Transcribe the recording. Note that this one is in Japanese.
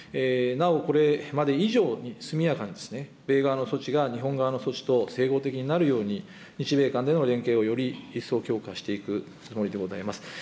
なお、これまで以上に速やかに、米側の措置が日本側の措置と整合的になるように、日米間での連携をより一層強化していくつもりでございます。